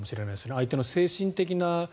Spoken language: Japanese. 相手の精神的な。